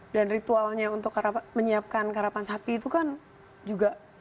ritualnya untuk menyiapkan karapan sapi itu kan juga